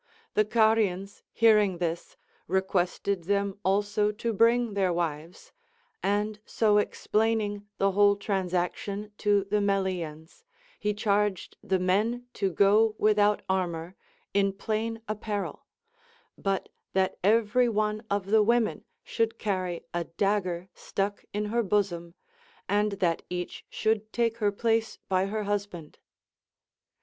The CONCERNING THE VIRTUES OF WOMEN. 349 Carians hearing this requested them also to bring their wives ; and so explaining the whole transaction to the Melians, he charged the men to go Λvithout armor in plain apparel, but that every one of the Avomen should carry a daiiirer stuck in her bosom, and that each should take her place by her husband.